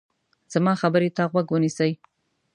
زما خبرې ته غوږ ونیسئ.